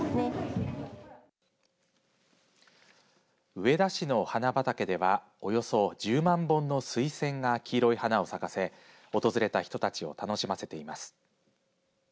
上田市の花畑ではおよそ１０万本の水仙が黄色い花を咲かせ訪れた人たちを楽しませています。